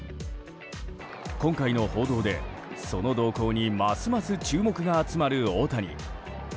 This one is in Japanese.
今回の報道で、その動向にますます注目が集まる大谷。